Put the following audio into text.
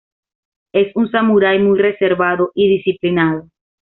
Es un samurái muy reservado y disciplinado.